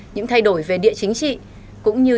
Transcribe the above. những thay đổi về địa chính trị cũng như